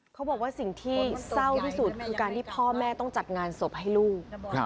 เขาบอกว่าสิ่งที่เศร้าที่สุดคือการที่พ่อแม่ต้องจัดงานศพให้ลูก